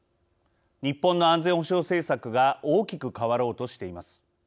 日本の安全保障政策が大きく変わろうとしています。